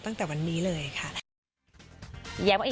ตั้งแต่วันนี้เลยค่ะ